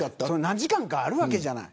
何時間かあるわけじゃない。